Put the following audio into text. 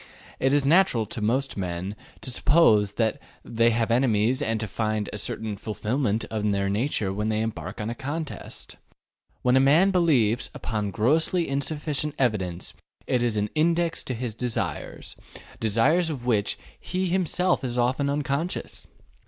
It is natural to most men to suppose that they have enemies and to find a certain fulfillment of their nature when they embark upon a contest. What a man believes upon grossly insufficient evidence is an index to his desires desires of which he himself is often unconscious.